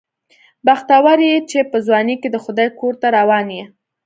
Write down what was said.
بختور یې چې په ځوانۍ کې د خدای کور ته روان یې.